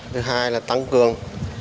thứ hai là tăng cường